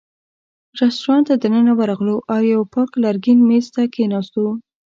رېستورانت ته دننه ورغلو او یوه پاک لرګین مېز ته کېناستو.